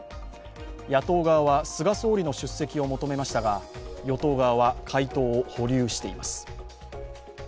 野党側は菅総理の出席を求めましたが与党側は回答を保留しています。